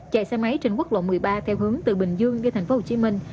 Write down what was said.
chạy xe máy trên quốc lộ một mươi ba theo hướng từ bình dương đi thành phố hồ chí minh